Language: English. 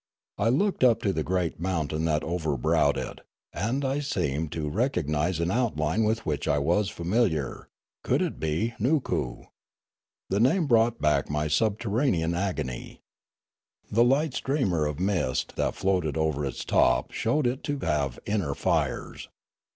I looked up to the great mountain that overbrowed it, and I seemed to recognise an outline with which I was familiar; could it be Nookoo ? The name brought back ni}' subterranean agony. The light streamer of mist that floated over its top showed it to have inner fires.